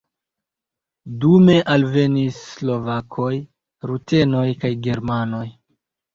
Dume alvenis slovakoj, rutenoj kaj germanoj.